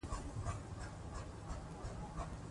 پاکوالی په کور کې اړین دی.